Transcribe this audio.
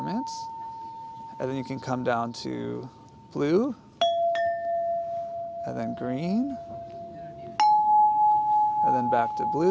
dan kemudian kamu bisa menurun ke warna biru kemudian warna kuning kemudian kembali ke warna biru